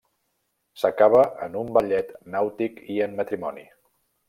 S'acaba en un ballet nàutic i en matrimoni.